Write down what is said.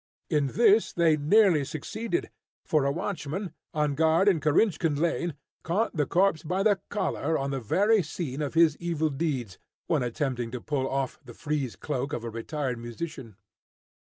In this they nearly succeeded, for a watchman, on guard in Kirinshkin Lane, caught the corpse by the collar on the very scene of his evil deeds, when attempting to pull off the frieze cloak of a retired musician.